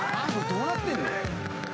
どうなってんの？